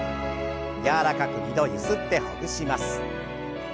柔らかく２度ゆすってほぐします。